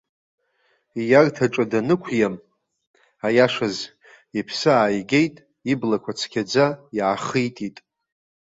Ииарҭаҿы данықәиа, аиашаз, иԥсы ааигеит, иблақәа цқьаӡа иаахитит.